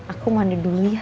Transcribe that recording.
aku mandi dulu ya